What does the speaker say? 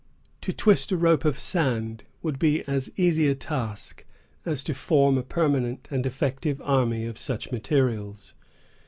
To twist a rope of sand would be as easy a task as to form a permanent and effective army of such materials.